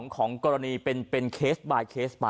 ของกรณีเป็นเคสไบ